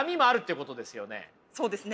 そうですね。